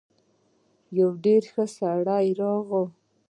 يو ډېر ښه سړی راغی.